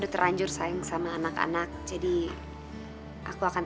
cuman masih agak pusing aja sedikit